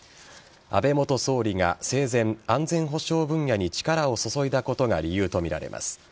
安倍元総理が生前安全保障分野に力を注いだことが理由とみられます。